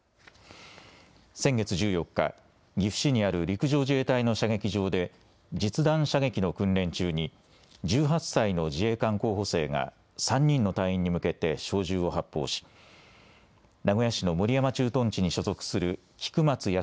先月１４日、岐阜市にある陸上自衛隊の射撃場で実弾射撃の訓練中に１８歳の自衛官候補生が３人の隊員に向けて小銃を発砲し、名古屋市の守山駐屯地に所属する菊松安